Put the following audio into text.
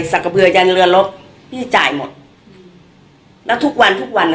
สักเกอร์เย็นเรือรถพี่จ่ายหมดแล้วทุกวันทุกวัน